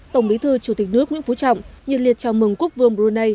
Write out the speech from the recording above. tổng bí thư chủ tịch nước nguyễn phú trọng nhiệt liệt chào mừng quốc vương brunei